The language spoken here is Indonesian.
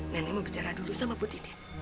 nenek mau bicara dulu sama bu titi